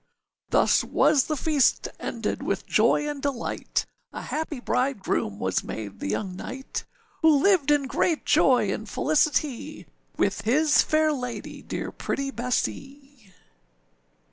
â Thus was the feast ended with joy and delight, A happy bridegroom was made the young knight, Who lived in great joy and felicity, With his fair lady dear pretty Bessee.